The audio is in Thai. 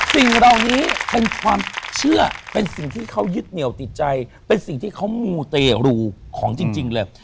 สิ่งเหล่านี้เป็นความเชื่อเป็นสิ่งที่เขายึดเหนียวติดใจเป็นสิ่งที่เขามูเตรูของจริงเลย